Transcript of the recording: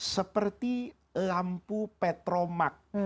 seperti lampu petromak